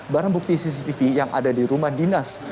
barang bukti cctv yang ada di rumah dinas